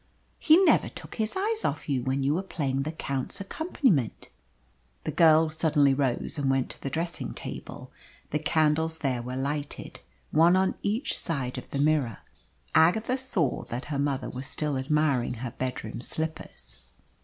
"He never took his eyes off you when you were playing the Count's accompaniment." The girl suddenly rose and went to the dressing table. The candles there were lighted, one on each side of the mirror. Agatha saw that her mother was still admiring her bedroom slippers.